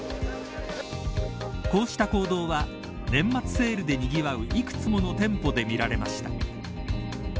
こうした行動は年末セールでにぎわう幾つもの店舗で見られました。